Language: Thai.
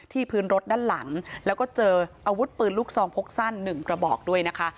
พื้นรถด้านหลังแล้วก็เจออาวุธปืนลูกซองพกสั้นหนึ่งกระบอกด้วยนะคะ